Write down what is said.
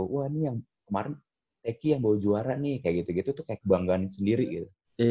wah ini yang kemarin teki yang bawa juara nih kayak gitu gitu tuh kayak kebanggaan sendiri gitu